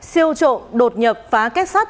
siêu trộm đột nhập phá kết sát